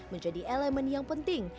menjadi elemen yang penting